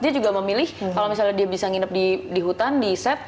dia juga memilih kalau misalnya dia bisa nginep di hutan di set